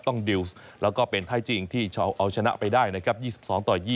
ดิวส์แล้วก็เป็นไทยจริงที่เอาชนะไปได้นะครับ๒๒ต่อ๒